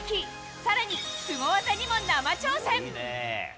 さらに、スゴ技にも生挑戦。